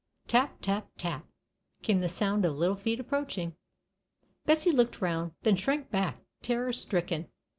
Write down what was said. Tap, tap, tap, came the sound of little feet approaching. Bessie looked round, then shrank back, terror stricken.